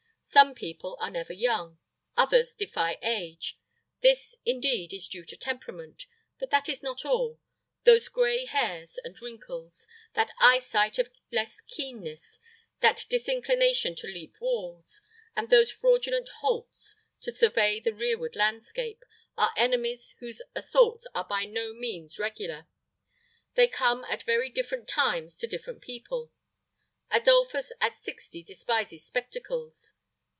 Some people are never young, others defy age. This, indeed, is due to temperament. But that is not all. Those gray hairs and wrinkles, that eyesight of less keenness, that disinclination to leap walls, and those fraudulent halts to survey the rearward landscape, are enemies whose assaults are by no means regular. They come at very different times to different people. Adolphus at sixty despises spectacles.